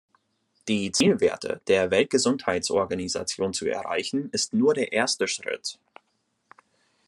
Die Zielwerte der Weltgesundheitsorganisation zu erreichen, ist nur der erste Schritt.